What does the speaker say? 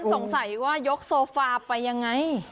สงสัยว่ายกโซฟาไปยังไง